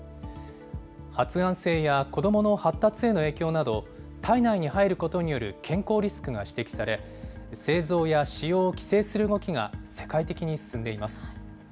発がん性や子どもの発達への影響など、体内に入ることによる健康リスクが指摘され、製造や使用を規制する動きが世界的に進んでいます。